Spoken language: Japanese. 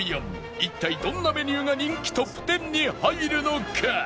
一体どんなメニューが人気トップ１０に入るのか？